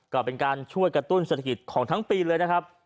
ก็เป็นการช่วยกระตุ้นเศรษฐกิจของทั้งปีเลยนะครับ